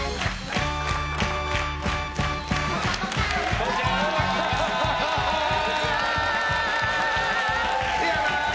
こんにちは！